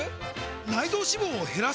内臓脂肪を減らす！？